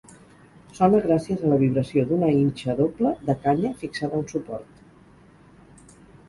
Sona gràcies a la vibració d’una inxa doble, de canya, fixada a un suport.